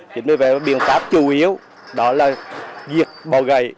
chính vì vậy biện pháp chủ yếu đó là giết bò gầy